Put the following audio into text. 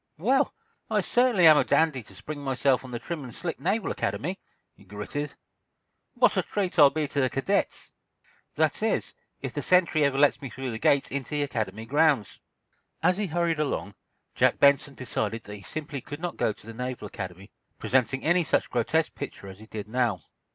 "Well, I certainly am a dandy to spring myself on the trim and slick Naval Academy!" he gritted. "What a treat I'll be to the cadets! That is, if the sentry ever lets me through the gate into the Academy grounds." As he hurried along, Jack Benson decided that he simply could not go to the Naval Academy presenting any such grotesque picture as he did now.